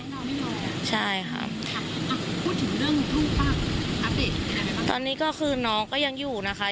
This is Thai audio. พี่สาวกับพี่ชายไม่ยอมเลยครับพี่สาวกับพี่ชายไม่ยอมเลยครับ